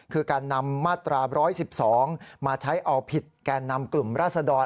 คือการนำมาตรา๑๑๒มาใช้เอาผิดแก่นำกลุ่มราศดร